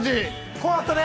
◆怖かったね。